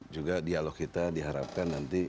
juga dialog kita diharapkan nanti